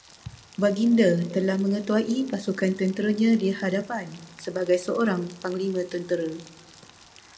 Baginda telah mengetuai pasukan tenteranya di hadapan, sebagai seorang panglima tentera